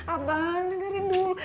abang dengerin dulu